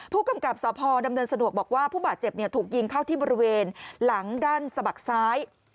ผู้กำกับสพดำเนินสะดวกบอกว่าผู้บาดเจ็บถูกยิงเข้าที่บริเวณหลังด้านสะบักซ้าย